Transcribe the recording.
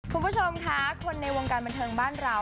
คุณผู้ชมค่ะคนในวงการบันเทิงบ้านเรา